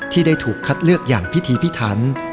ที่ได้ถูกคัดเลือกอย่างพิธีพิถัน